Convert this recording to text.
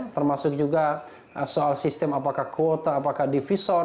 termasuk juga soal sistem apakah kuota apakah divisor